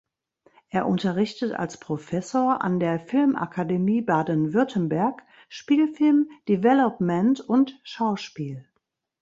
Er unterrichtet als Professor an der Filmakademie Baden-Württemberg Spielfilm, Development und Schauspiel.